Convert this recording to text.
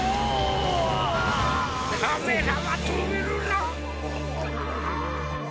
カメラはとめるな。